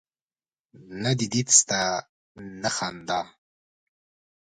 نه دي دید سته نه خندا